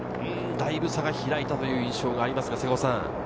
だいぶ差が開いたという印象がありますが瀬古さん。